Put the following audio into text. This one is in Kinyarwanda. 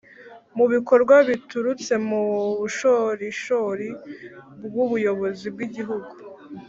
mu bikorwa biturutse mu bushorishori bw'ubuyobozi bw' i gihugu.